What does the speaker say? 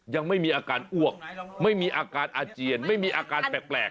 ยังไม่มีอาการอ้วกไม่มีอาการอาเจียนไม่มีอาการแปลก